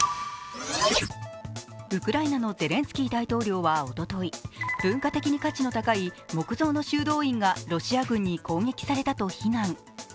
ウクライナのゼレンスキー大統領はおととい、文化的に価値の高い木造の修道院がロシア軍に攻撃されたと非難。